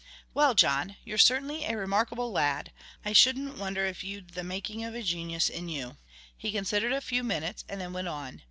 "Well, John, you're certainly a remarkable lad. I shouldn't wonder if you'd the making of a genius in you." He considered a few minutes, and then went on.